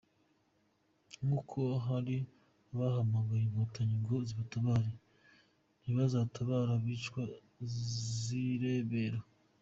Nkuko hari abahamagaye inkotanyi ngo zibatabare, ntizatabara bicwa zirebera.